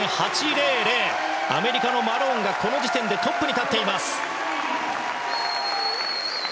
アメリカのマローンがこの時点でトップに立ちました。